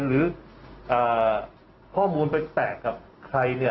หรือข้อมูลไปแตกกับใคร